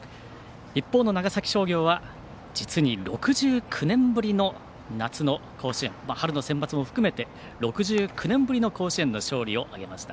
一方の長崎商業は実に６９年ぶりの夏の甲子園春のセンバツも含めて６９年ぶりの甲子園の勝利を挙げました。